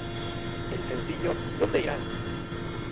El sencillo, ""¿Dónde irán?